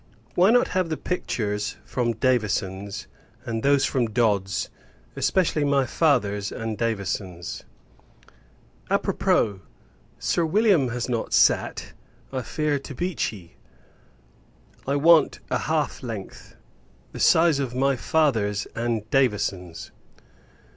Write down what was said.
Why not have the pictures from Davison's, and those from Dodd's; especially, my father's, and Davison's? A propos! Sir William has not sat, I fear, to Beechey. I want a half length, the size of my father's and Davison's.